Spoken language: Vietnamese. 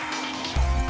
hẹn gặp lại